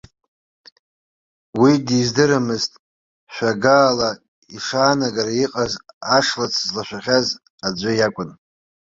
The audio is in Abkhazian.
Уи диздырамызт, шәагаала ишаанагара иҟаз, ашлац злашәахьаз аӡәы иакәын.